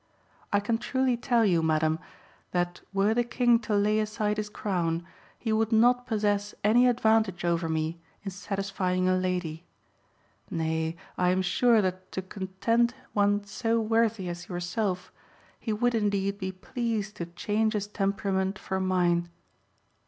I can truly tell you, madam, that were the King to lay aside his crown, he would not possess any advantage over me in satisfying a lady; nay, I am sure that to content one so worthy as yourself he would indeed be pleased to change his temperament for mine."